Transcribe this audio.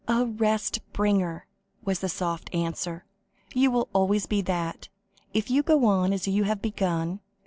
"A rest bringer," was the soft answer; "you will always be that, if you go on as you have begun.